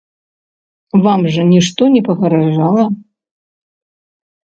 Вам жа нішто не пагражала.